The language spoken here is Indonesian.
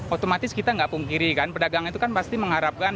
otomatis kita nggak pungkiri kan pedagang itu kan pasti mengharapkan